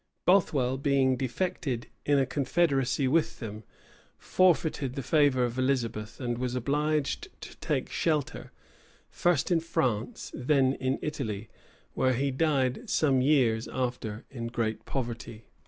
Bothwell, being defected in a confederacy with them, forfeited the favor of Elizabeth, and was obliged to take shelter, first in France, then in Italy, where he died some years after in great poverty.